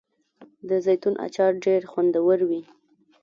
د زیتون اچار ډیر خوندور وي.